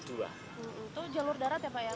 itu jalur darat ya pak ya